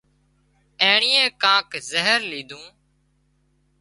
اينڻي ڪانڪ زهر ليڌُون